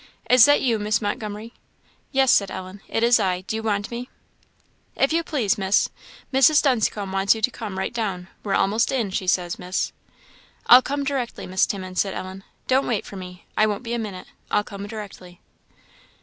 Is that you, Miss Montgomery?" "Yes," said Ellen, "it is I; do you want me?" "If you please, Miss, Mrs. Dunscombe wants you to come right down; we're almost in, she says, Miss." "I'll come directly, Miss Timmins," said Ellen. "Don't wait for me I won't be a minute I'll come directly."